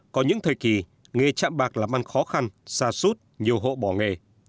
có những thời kỳ nghề chạm bạc làm ăn khó khăn xa suốt nhiều hộ bỏ nghề